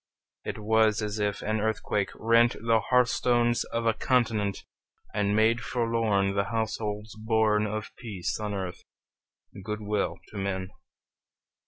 It was as if an earthquake rent The hearth stones of a continent, And made forlorn The households born Of peace on earth, good will to men!